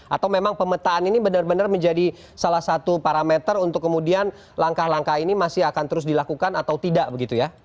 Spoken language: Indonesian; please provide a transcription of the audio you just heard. atau memang pemetaan ini benar benar menjadi salah satu parameter untuk kemudian langkah langkah ini masih akan terus dilakukan atau tidak begitu ya